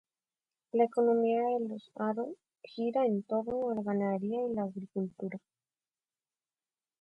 La economía de Los Haro gira en torno a la ganadería y la agricultura